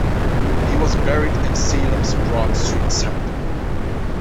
He was buried in Salem's Broad Street Cemetery.